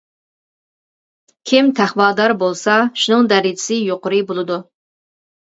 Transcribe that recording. كىم تەقۋادار بولسا شۇنىڭ دەرىجىسى يۇقىرى بولىدۇ.